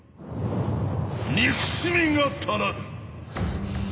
憎しみが足らぬ！